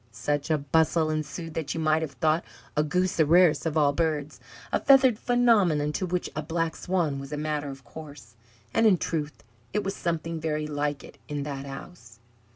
Such a bustle ensued that you might have thought a goose the rarest of all birds a feathered phenomenon, to which a black swan was a matter of course and in truth it was something very like it in that house.